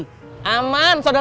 berikan suaranya udah